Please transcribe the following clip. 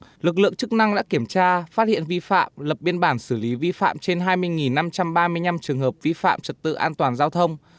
trong đó lực lượng chức năng đã kiểm tra phát hiện vi phạm lập biên bản xử lý vi phạm trên hai mươi năm trăm ba mươi năm trường hợp vi phạm trật tự an toàn giao thông